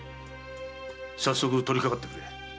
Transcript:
早速取りかかってくれ。